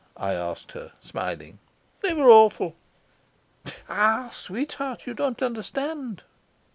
I asked her, smiling. "They were awful." "Ah, sweetheart, you don't understand."